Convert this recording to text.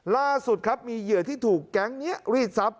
ล่าสุดครับมีเหยื่อที่ถูกแก๊งนี้รีดทรัพย